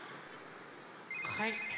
はい。